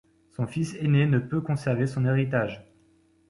Son fils aîné ne peut conserver son héritage.